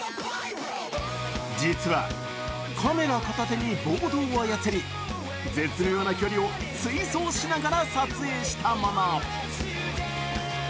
実はカメラ片手にボードを操り絶妙な距離を追走しながら撮影したもの。